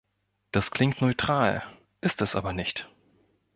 Das klingt neutral, ist es aber nicht.